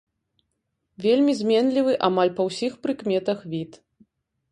Вельмі зменлівы амаль па ўсіх прыкметах від.